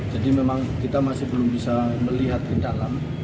jadi memang kita masih belum bisa melihat ke dalam